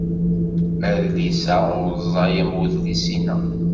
Adlis-a ur ẓẓay am wedlis-inna.